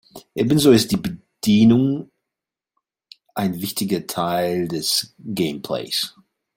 Ebenso ist die Bedienung ein wichtiger Teil des Gameplays.